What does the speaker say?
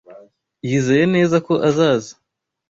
Yizeye neza ko azaza.